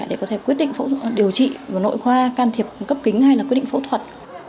để có thể quyết định điều trị và nội khoa can thiệp cấp kính hay là quyết định phẫu thuật